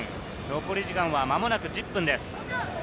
残り時間はまもなく１０分です。